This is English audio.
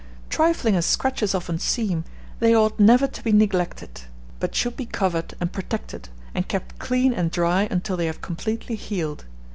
Trifling as scratches often seem, they ought never to be neglected, but should be covered and protected, and kept clean and dry until they have completely healed.